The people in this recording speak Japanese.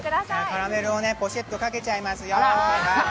カラメルをポシェッとかけちゃいますよ。